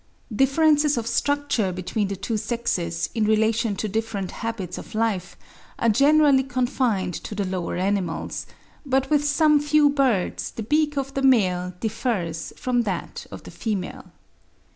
Differences of structure between the two sexes in relation to different habits of life are generally confined to the lower animals; but with some few birds the beak of the male differs from that of the female.